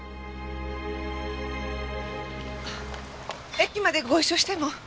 駅までご一緒しても？